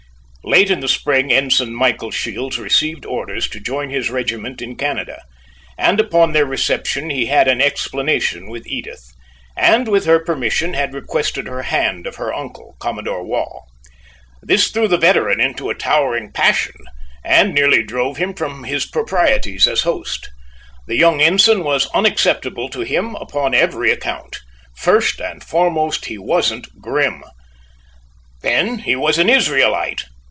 Late in the spring Ensign Michael Shields received orders to join his regiment in Canada, and upon their reception he had an explanation with Edith, and with her permission, had requested her hand of her uncle, Commodore Waugh. This threw the veteran into a towering passion, and nearly drove him from his proprieties as host. The young ensign was unacceptable to him upon every account. First and foremost, he wasn't "Grim," Then he was an Israelite.